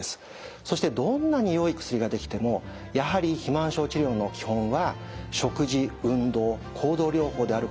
そしてどんなによい薬が出来てもやはり肥満症治療の基本は食事運動行動療法であることに変わりはありません。